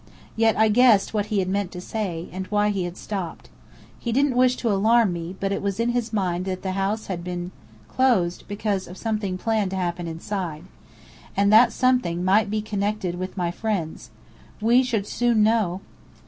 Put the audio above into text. Yet I guessed what he had meant to say, and why he had stopped. He didn't wish to alarm me, but it was in his mind that the house had teen closed because of something planned to happen inside. And that something might be connected with my friends. We should soon know!